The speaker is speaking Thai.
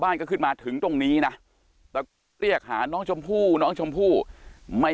บ้านก็ขึ้นมาถึงตรงนี้นะเรียกหาน้องชมผู้น้องชมผู้ไม่